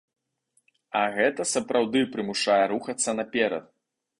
А гэта сапраўды прымушае рухацца наперад.